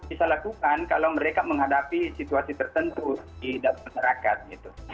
bisa lakukan kalau mereka menghadapi situasi tertentu di dalam masyarakat gitu